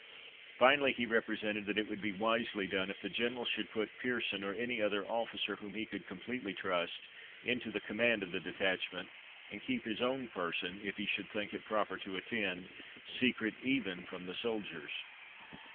Finally, he represented that it would be wisely done if the General should put Pearson, or any other officer whom he could completely trust, into the command of the detachment, and keep his own person, if he should think it proper to attend, secret even from the soldiers.